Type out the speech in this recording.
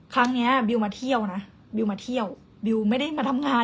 ครั้งนี้บิวมาเที่ยวนะบิวมาเที่ยวบิวไม่ได้มาทำงาน